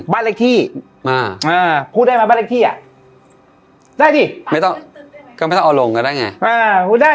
บ้านเลขที่พูดได้มาบ้านเลขที่อะได้ดิ